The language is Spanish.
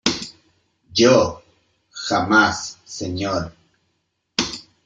yo , jamás , señor .